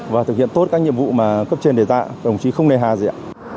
và thực hiện tốt các nhiệm vụ mà cấp trên đề tạ đồng chí không lê hà gì ạ